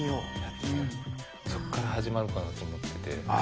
そっから始まるかなと思ってて。